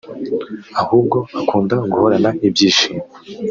ahubwo akunda guhorana ibyishimo